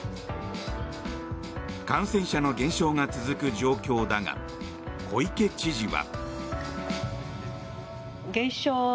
感染者の減少が続く状況だが小池知事は。